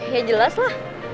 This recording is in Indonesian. ya jelas lah